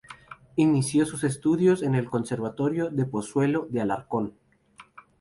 Inició sus estudios en el Conservatorio de Pozuelo de Alarcón.